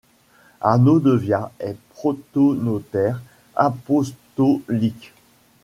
Arnaud de Via est protonotaire apostolique.